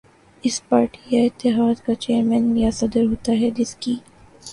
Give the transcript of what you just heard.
اس party یا اتحاد کا چیئرمین یا صدر ہوتا ہے جس کی